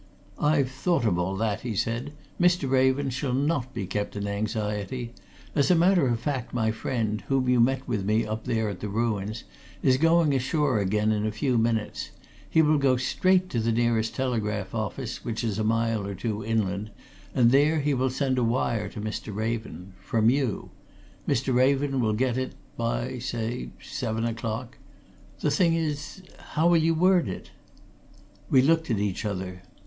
"I've thought of all that," he said. "Mr. Raven shall not be kept in anxiety. As a matter of fact, my friend, whom you met with me up there at the ruins, is going ashore again in a few minutes. He will go straight to the nearest telegraph office, which is a mile or two inland, and there he will send a wire to Mr. Raven from you. Mr. Raven will get it by, say, seven o'clock. The thing is how will you word it?" We looked at each other.